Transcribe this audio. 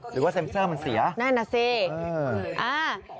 หรือว่าเซ็นเซอร์มันเสียนะครับแน่น่ะสิอ้าว